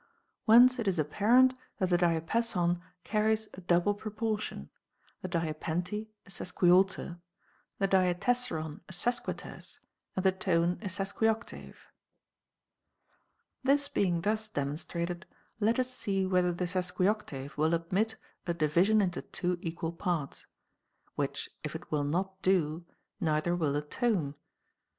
Whence it is apparent that the diapason carries a double proportion, the diapente a sesquialter, the diatessaron a sesquiterce, and the tone a sesquioctave. 18. This being thus demonstrated, let us see whether the sesquioctave will admit a division into two equal parts ; which if it will not do, neither will a tone.